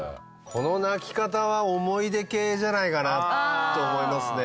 この泣き方は思い出系じゃないかなと思いますね。